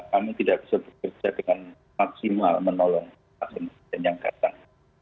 kami tidak bisa bekerja dengan maksimal menolong maksimum penyangkapan